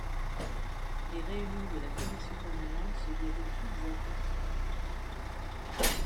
Les réunions de la commission permanente se déroulent toutes à Caen.